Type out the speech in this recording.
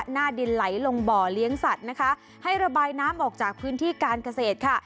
หน้าดินไหลลงบ่อเลี้ยงสัตว์นะคะให้ระบายน้ำออกจากพื้นที่การเกษตรค่ะ